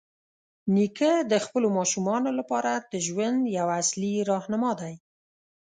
نیکه د خپلو ماشومانو لپاره د ژوند یوه اصلي راهنما دی.